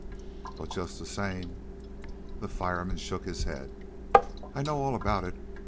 "But just the same " The fireman shook his head. "I know all about it.